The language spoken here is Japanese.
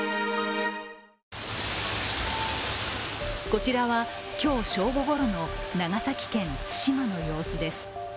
こちらは今日正午ごろの長崎県対馬の様子です。